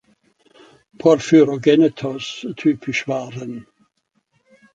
Porphyrogennetos typisch waren.